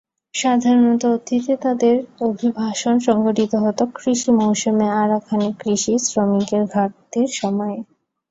সাধারণত অতীতে তাদের অভিবাসন সংঘটিত হতো কৃষি মৌসুমে, আরাকানে কৃষি শ্রমিকের ঘাটতির সময়ে।